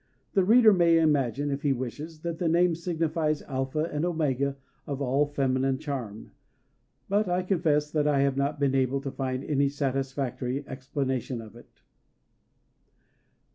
The reader may imagine, if he wishes, that the name signifies the Alpha and Omega of all feminine charm; but I confess that I have not been able to find any satisfactory explanation of it.